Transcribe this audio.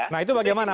nah itu bagaimana